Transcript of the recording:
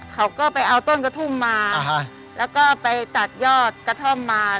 เขาก็ไปเอาต้นกระทุ่มมาแล้วก็ไปตัดยอดกระท่อมมา